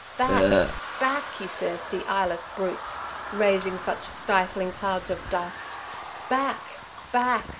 'Back! back! you thirsty, eyeless brutes, raising such stifling clouds of dust. Back! back!